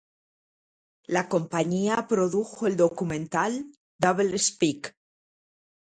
La compañía produjo el documental "Double Speak".